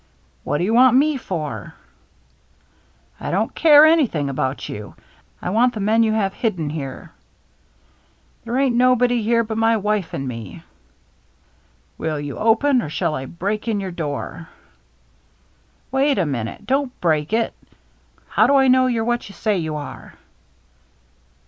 " What do you want me for ?"" I don't care anything about you. 1 want the men you have hidden here." " There ain't nobody here but my wife and me. " Will you open, or shall I break in your door?" "Wait a minute! Don't break it! How do I know you're what you say you are